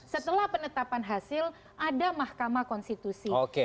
setelah penetapan hasil ada mahkamah konstitusi